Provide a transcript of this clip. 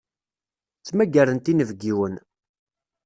Ttmagarent inebgiwen.